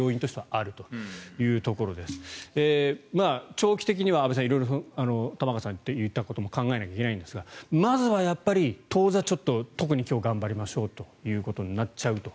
安部さん、長期的には玉川さんが言ったことも考えなきゃいけないんですがまずはやっぱり当座今日特に頑張りましょうということになっちゃうと。